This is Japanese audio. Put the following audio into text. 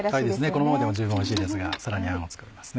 このままでも十分おいしいですがさらにあんを作ります。